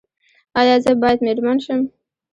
ایا زه باید میرمن شم؟